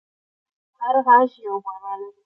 هر غږ یوه معنی لري.